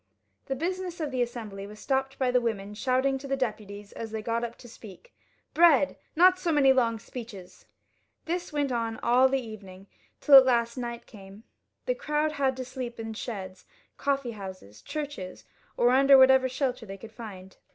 The business of the Assembly was stopped by the women shouting to the deputies as they got up to speak, " Bread ! Not so many long speeches." This went on all the evening, till at last night came. The crowd had to sleep in sheds, coffee houses, churches, or under whatever shelter they could find.